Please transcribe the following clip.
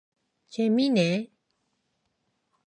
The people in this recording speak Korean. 재밌네!